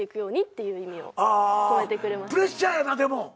あプレッシャーやなでも。